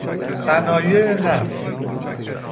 صنایع نفت